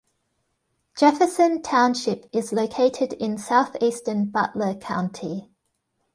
Jefferson Township is located in southeastern Butler County.